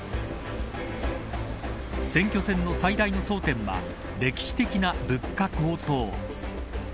選挙戦の最大の争点は歴史的な物価高騰。